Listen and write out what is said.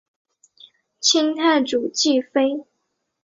清太祖继妃。